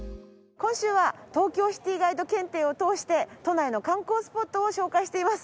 今週は東京シティガイド検定を通して都内の観光スポットを紹介しています。